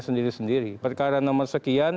sendiri sendiri perkara nomor sekian